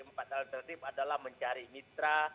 empat alternatif adalah mencari mitra